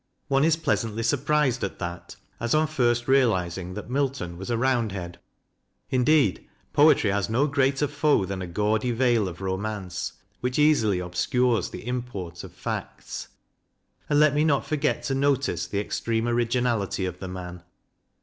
One is pleasantly surprised at that, as on first realizing that Milton was a Roundhead. Indeed, poetry has no greater foe than a gaudy veil of romance, which easily obscures the import of facts. And let me not forget to notice the extreme origin ality of the man.